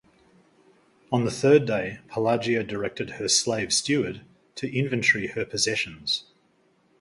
On the third day, Pelagia directed her slave steward to inventory her possessions.